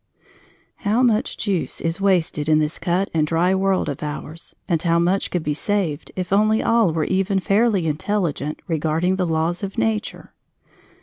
How much "juice" is wasted in this cut and dry world of ours and how much could be saved if only all were even fairly intelligent regarding the laws of nature!